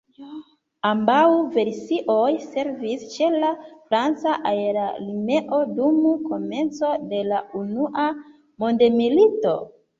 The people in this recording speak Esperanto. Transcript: Ambaŭ versioj servis ĉe la franca aerarmeo dum komenco de la unua mondmilito.